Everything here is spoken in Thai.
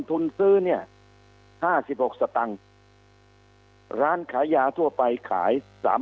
ทุนซื้อเนี้ยห้าสิบหกสตังค์ร้านขายยาทั่วไปขายสาม